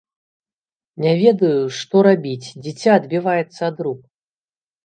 Не ведаю, што рабіць, дзіця адбіваецца ад рук!